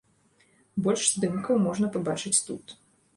Больш здымкаў можна пабачыць тут.